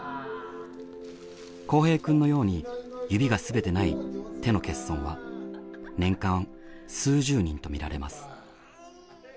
幸平くんのように指が全てない手の欠損は年間数十人とみられます。